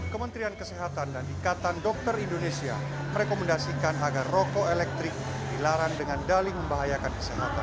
kementerian kesehatan dan ikatan dokter indonesia merekomendasikan agar rokok elektrik dilarang dengan dali membahayakan kesehatan